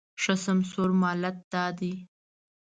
ښه سمسوره مالت دا دی